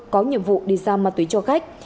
có nhiệm vụ đi ra ma túy cho khách